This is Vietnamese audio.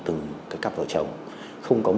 từng cặp vợ chồng không có